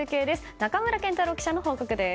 仲村健太郎記者からの報告です。